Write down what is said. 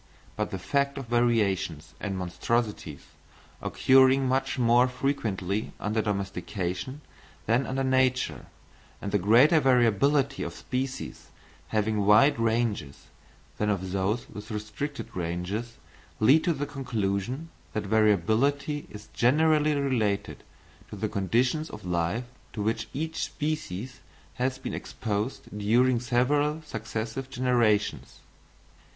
But the fact of variations and monstrosities occurring much more frequently under domestication than under nature, and the greater variability of species having wide ranges than of those with restricted ranges, lead to the conclusion that variability is generally related to the conditions of life to which each species has been exposed during several successive generations.